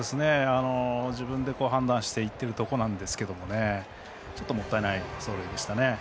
自分で判断していっているところなんですけどねちょっともったいない走塁でしたね。